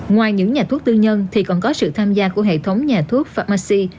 ngoài những nhà thuốc tư nhân còn có sự tham gia của hệ thống nhà thuốc pharmacy